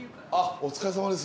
お疲れさまです。